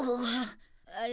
あれ？